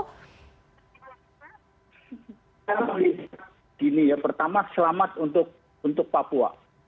begini ya pertama selamat untuk papua